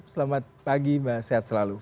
selamat pagi mbak sehat selalu